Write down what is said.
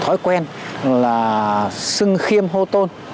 thói quen là xưng khiêm hô tôn